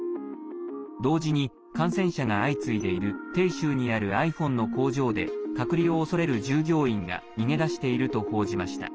同時に、感染者が相次いでいる鄭州にあるｉＰｈｏｎｅの工場で隔離を恐れる従業員が逃げ出していると報じました。